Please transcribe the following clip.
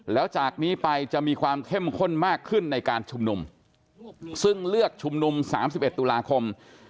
แล้วจากนี้ไปจะมีความเข้มข้นมากขึ้นในการชุมนุมซึ่งเลือกชุมนุม๓๑ตุลาคม